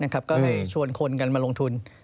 ก็เลยชวนคนกันมาลงทุน